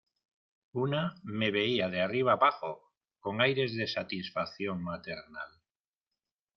Una me veía de arriba abajo con aires de satisfacción maternal.